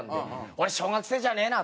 「俺小学生じゃねえな！」